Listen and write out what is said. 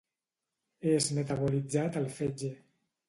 És metabolitzat al fetge.